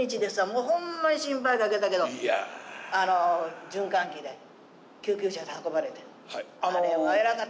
もうホンマに心配かけたけど循環器で救急車で運ばれてあれはえらかった。